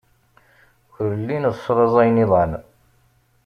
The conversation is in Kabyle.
Ur llin slaẓayen iḍan.